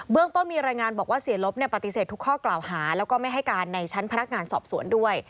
เรื่องต้นมีรายงานบอกว่าเสียลบปฏิเสธทุกข้อกล่าวหาแล้วก็ไม่ให้การในชั้นพนักงานสอบสวนด้วย